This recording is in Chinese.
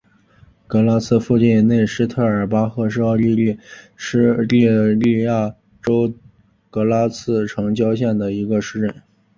格拉茨附近内施特尔巴赫是奥地利施蒂利亚州格拉茨城郊县的一个市镇。